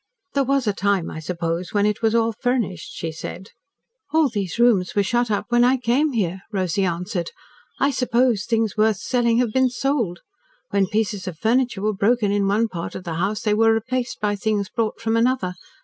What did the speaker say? "There was a time, I suppose, when it was all furnished," she said. "All these rooms were shut up when I came here," Rosy answered. "I suppose things worth selling have been sold. When pieces of furniture were broken in one part of the house, they were replaced by things brought from another.